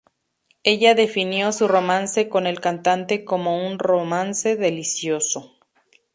Ella definió su romance con el cantante como "un romance delicioso".